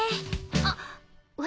あっ私